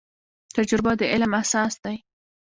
تجربه د علم اساس دی